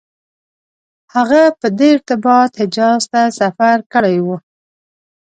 هغه په دې ارتباط حجاز ته سفر کړی و.